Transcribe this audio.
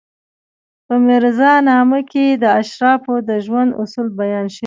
په میرزا نامه کې د اشرافو د ژوند اصول بیان شوي.